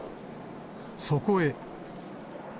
そこへ。